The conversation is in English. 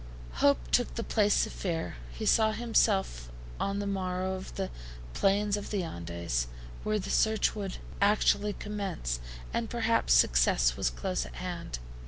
Hope took the place of fear. He saw himself on the morrow on the plains of the Andes, where the search would actually commence, and perhaps success was close at hand.